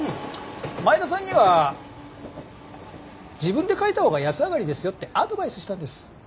前田さんには自分で書いたほうが安上がりですよってアドバイスしたんです。